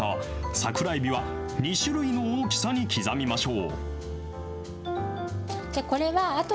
桜えびは、２種類の大きさに刻みましょう。